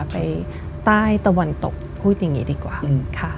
ไปใต้ตะวันตกพูดอย่างนี้ดีกว่าค่ะ